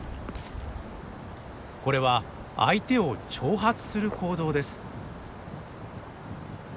これは相手を「挑発」する行動です。